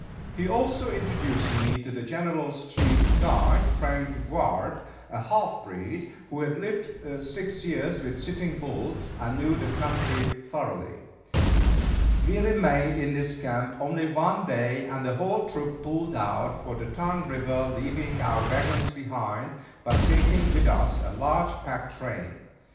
He also introduced me to the General's chief guide, Frank Grouard, a half breed, who had lived six years with Sitting Bull, and knew the country thoroughly. We remained in this camp only one day, and the whole troop pulled out for the Tongue River, leaving our wagons behind, but taking with us a large pack train.